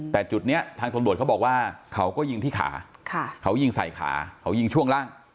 แต่จุดนี้ทางตำรวจเขาบอกว่าเขาก็ยิงที่ขาเขายิงใส่ขาเขายิงช่วงล่าง